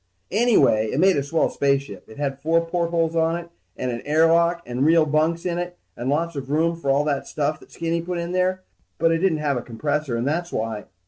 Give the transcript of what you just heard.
Anyway, it made a swell spaceship. It had four portholes on it and an air lock and real bunks in it and lots of room for all that stuff that Skinny put in there. But it didn't have a compressor and that's why